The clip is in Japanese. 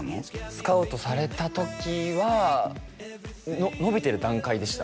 スカウトされた時は伸びてる段階でした